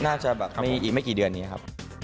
น่าจะแบบไม่กี่เดือนนี้ครับ